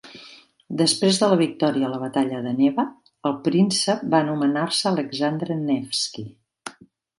Després de la victòria a la batalla de Neva, el príncep va anomenar-se Alexandre Nevsky.